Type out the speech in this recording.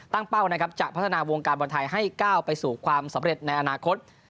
เป้านะครับจะพัฒนาวงการบอลไทยให้ก้าวไปสู่ความสำเร็จในอนาคต